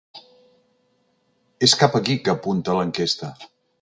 És cap aquí que apunta l’enquesta.